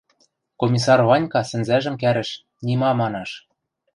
Комиссар Ванька сӹнзӓжӹм кӓрӹш, нима манаш...